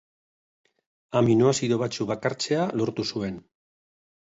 Aminoazido batzuk bakartzea lortu zuen.